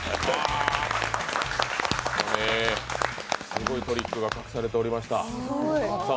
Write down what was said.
すごいトリックが隠されておりました。